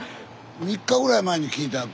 ３日ぐらい前に聞いたんや。